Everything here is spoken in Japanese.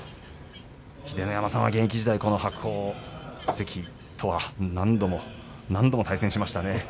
秀ノ山さんは現役時代この白鵬関とは何度も何度も対戦しましたね。